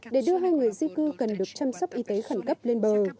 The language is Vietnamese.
để đưa hai người di cư cần được chăm sóc y tế khẩn cấp lên bờ